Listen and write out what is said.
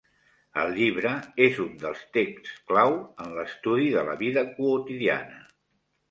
El llibre és un dels texts clau en l'estudi de la vida quotidiana.